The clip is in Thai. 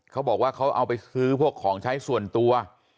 เขาบอกว่าเขาเอาไปซื้อพวกของใช้ส่วนตัว